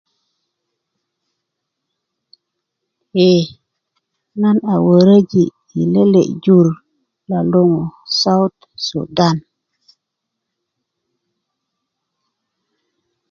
ee nan a wöröji i lele jur lo luŋu south sudan